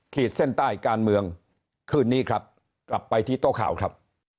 ขีดเส้นใต้การเมืองคืนนี้ครับกลับไปที่โต๊ะข่าวครับ